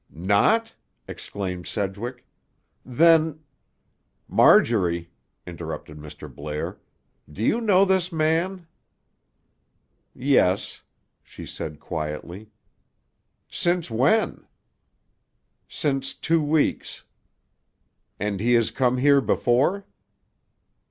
"Not?" exclaimed Sedgwick. "Then—" "Marjorie," interrupted Mr. Blair, "do you know this man?" "Yes," she said quietly. "Since when?" "Since two weeks." "And he has come here before?"